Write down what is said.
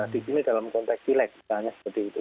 di sini dalam konteks pileg misalnya seperti itu